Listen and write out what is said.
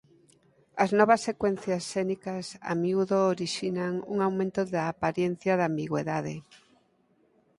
As novas secuencias xénicas a miúdo orixinan un aumento da aparencia de ambigüidade.